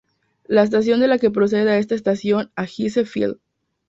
La estación de la que procede a esta estación es Gillespie Field.